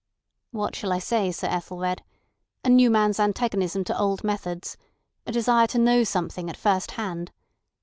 "What shall I say, Sir Ethelred? A new man's antagonism to old methods. A desire to know something at first hand.